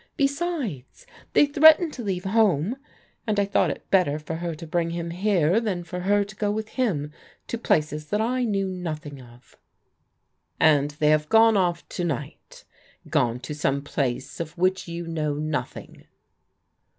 Besides^ they threatened to leave home, k and I thought it better for her to bring him here than ^ for her to go with him to places that I knew nothing of." |_^" And they have gone oft to ni^t — gone to some place '^ of which you know nothing?